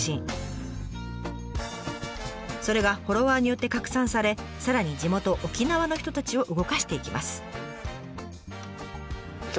それがフォロワーによって拡散されさらに地元沖縄の人たちを動かしていきます。